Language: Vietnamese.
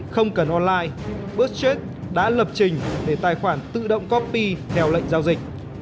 không cần online bus jack đã lập trình để tài khoản tự động copy theo lệnh giao dịch